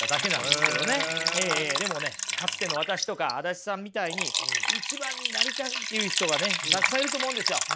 でもねかつての私とか足立さんみたいに一番になりたいっていう人がねたくさんいると思うんですよ。